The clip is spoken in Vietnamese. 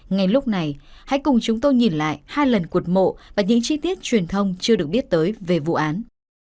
ngay lúc này hãy cùng chúng tôi nhìn lại hai lần cột mộ và những chi tiết truyền thông chưa được biết tới về vụ án